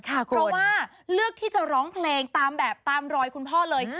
เพราะว่าเลือกที่จะร้องเพลงตามแบบตามรอยคุณพ่อเลย